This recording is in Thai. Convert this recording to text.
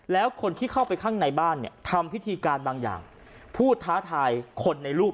แล้วคนที่เข้าไปข้างในบ้านเนี่ยทำพิธีการบางอย่างพูดท้าทายคนในรูป